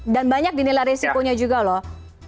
dan banyak dinilai risikonya juga loh